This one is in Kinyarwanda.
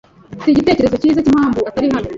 Mfite igitekerezo cyiza cyimpamvu atari hano.